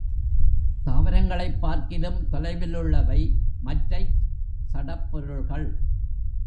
தாவரங்களைப் பார்க்கிலும் தொலைவிலுள்ளவை மற்றைச் சடப் பொருள்கள்.